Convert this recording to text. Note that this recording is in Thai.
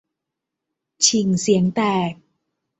ฉิ่งเสียงแตก